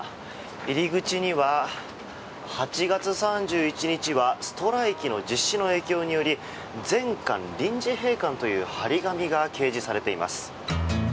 入り口には８月３１日はストライキの実施の影響により全館臨時閉館という貼り紙が掲示されています。